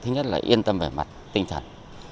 thứ nhất là yên tâm về mặt tinh thần